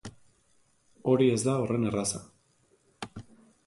Hori ez da horren erraza.